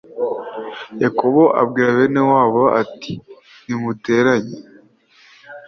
Yakobo abwira bene wabo ati nimuteranye